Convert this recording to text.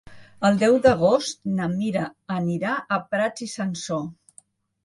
El deu d'agost na Mira anirà a Prats i Sansor.